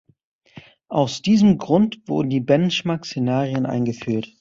Aus diesem Grund wurden die Benchmark-Szenarien eingeführt.